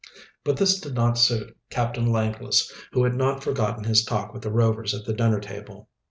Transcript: But this did not suit Captain Langless, who had not forgotten his talk with the Rovers at the dinner table.